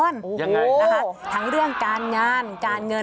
ยังไงนะคะทั้งเรื่องการงานการเงิน